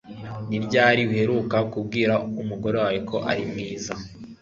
ni ryari uheruka kubwira umugore wawe ko ari mwiza